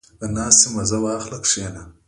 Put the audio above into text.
• د ناستې مزه واخله، کښېنه.